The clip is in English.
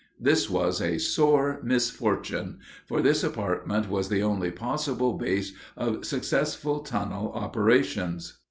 This was a sore misfortune, for this apartment was the only possible base of successful tunnel operations.